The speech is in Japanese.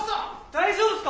大丈夫すか？